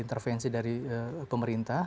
intervensi dari pemerintah